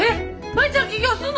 舞ちゃん起業すんの！？